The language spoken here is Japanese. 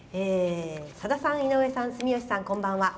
「さださん井上さん、住吉さん、こんばんは。